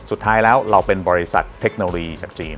สุดท้ายแล้วเราเป็นบริษัทเทคโนโลยีจากจีน